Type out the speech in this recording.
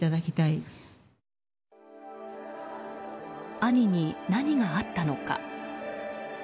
兄に何があったのか。